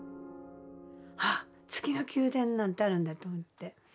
あっ月の宮殿なんてあるんだと思って。